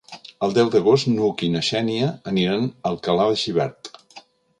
El deu d'agost n'Hug i na Xènia aniran a Alcalà de Xivert.